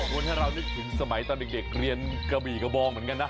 วนให้เรานึกถึงสมัยตอนเด็กเรียนกระบี่กระบองเหมือนกันนะ